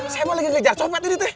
saya mau lagi ke jar copet nih tuh